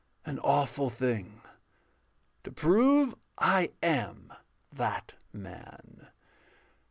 An awful thing, To prove I am that man.